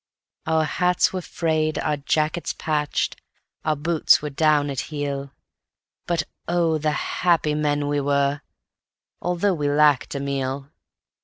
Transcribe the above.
Our hats were frayed, our jackets patched, our boots were down at heel, But oh, the happy men were we, although we lacked a meal.